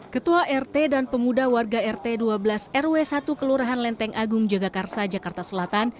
ketua rt dan pemuda warga rt dua belas rw satu kelurahan lenteng agung jagakarsa jakarta selatan